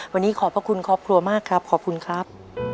วันนี้ขอบพระคุณครอบครัวมากครับขอบคุณครับ